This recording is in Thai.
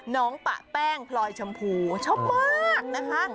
ปะแป้งพลอยชมพูชอบมากนะคะ